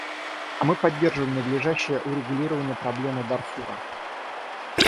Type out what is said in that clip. Мы поддерживаем надлежащее урегулирование проблемы Дарфура.